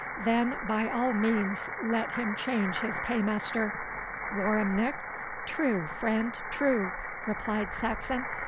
Then by all means let him change his paymaster. Warum nicht?' 'True, friend, true!' replied Saxon.